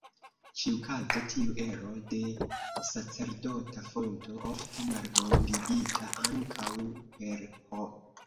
Ĉiukaze, tiu ero de sacerdota fonto, ofte mallongigita ankaŭ per "H".